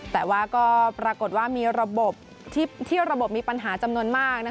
แต่ว่าก็ปรากฏว่ามีระบบที่ระบบมีปัญหาจำนวนมาก